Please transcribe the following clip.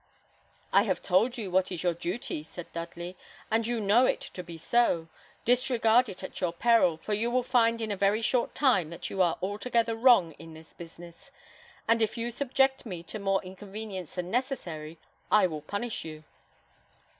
"I have told you what is your duty," said Dudley; "and you know it to be so. Disregard it at your peril; for you will find in a very short time that you are altogether wrong in this business; and if you subject me to more inconvenience than necessary, I will punish you."